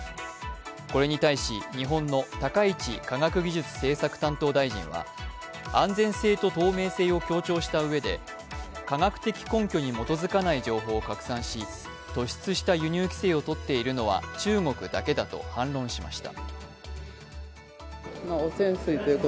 これに対し、日本の高市科学技術政策担当大臣は安全性と透明性を強調したうえで科学的根拠に基づかない情報を拡散し突出した輸入規制をとっているのは中国だけだと反論しました。